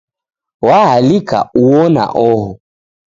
W'aalika uo na oho